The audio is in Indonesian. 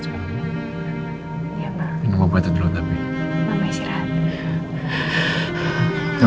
jangan kelihatan masalah lu lagi ya